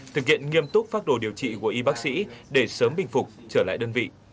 thực hiện nghiêm túc phác đồ điều trị của y bác sĩ để sớm bình phục trở lại đơn vị